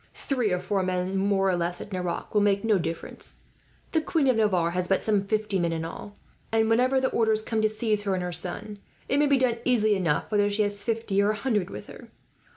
Three or four men, more or less, at Nerac will make no difference. The Queen of Navarre has but some fifty men in all and, whenever the orders come to seize her and her son, it may be done easily enough, whether she has fifty or a hundred with her.